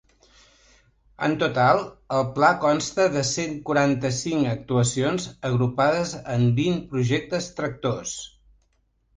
En total, el pla consta de cent quaranta-cinc actuacions, agrupades en vint projectes tractors.